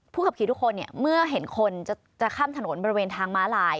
ขับขี่ทุกคนเนี่ยเมื่อเห็นคนจะข้ามถนนบริเวณทางม้าลาย